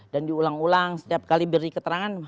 diulang ulang setiap kali beri keterangan